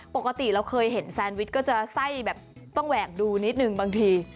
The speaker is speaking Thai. ปกติเราเคยเห็นแซนวิชก็จะไส้แบบต้องแหวกดูนิดนึงบางที